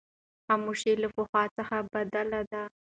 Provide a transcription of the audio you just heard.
خاموشي له پخوا څخه بدله ده.